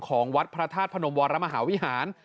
ของวัดพระธาตุพนมวรมหาวิหาร